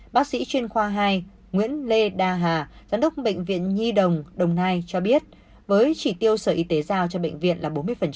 bác sĩ chuyên khoa hai nguyễn lê đa hà giám đốc bệnh viện nhi đồng đồng nai cho biết với chỉ tiêu sở y tế giao cho bệnh viện là bốn mươi